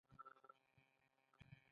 د زړه د تقویت لپاره د ګلاب اوبه وڅښئ